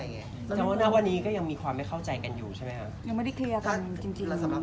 แล้วในสัปดาษนี้ยังมีความไม่เข้าใจกันอยู่ใช่ไหมครับ